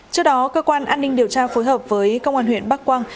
trước đó cơ quan an ninh điều tra phối hợp với công an huyện bắc quang